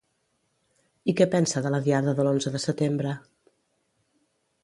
I què pensa de la Diada de l'Onze de Setembre?